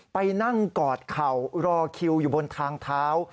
ไปนั่งกอดเข่ารอคิวอยู่บนทางเท้า